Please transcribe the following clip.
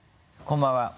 こんばんは。